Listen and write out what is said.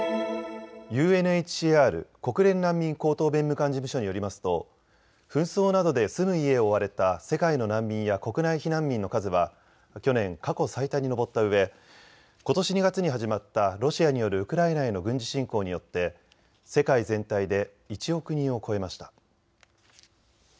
ＵＮＨＣＲ・国連難民高等弁務官事務所によりますと紛争などで住む家を追われた世界の難民や国内避難民の数は去年、過去最多に上ったうえことし２月に始まったロシアによるウクライナへの軍事侵攻によって世界全体で１億人を超えました。